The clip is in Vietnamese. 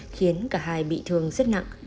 khiến cả hai bị thương rất nặng